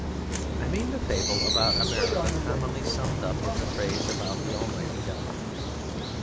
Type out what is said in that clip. I mean the fable about America commonly summed up in the phrase about the Almighty Dollar.